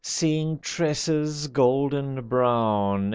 Seeing tresses, golden brown.